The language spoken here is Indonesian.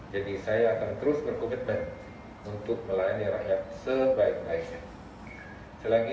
jadi saya akan terus berkomitmen untuk melayani rakyat sebaiknya